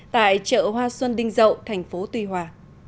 tại chợ hoa xuân đinh dậu tp tuy hòa